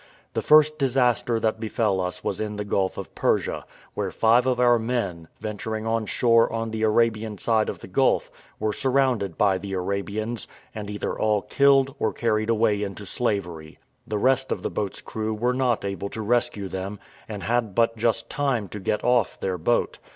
The first disaster that befell us was in the Gulf of Persia, where five of our men, venturing on shore on the Arabian side of the gulf, were surrounded by the Arabians, and either all killed or carried away into slavery; the rest of the boat's crew were not able to rescue them, and had but just time to get off their boat.